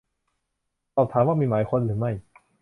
สอบถามว่ามีหมายค้นหรือไม่